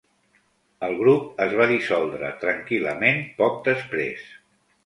El grup es va dissoldre tranquil·lament poc després.